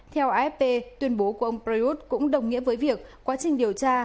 theo afp tuyên bố của ông prayuth cũng đồng nghĩa với việc quá trình điều tra